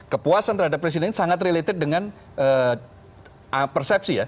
kepuasan terhadap presiden sangat related dengan persepsi ya